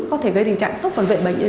có thể gây tình trạng sốc và vệ bệnh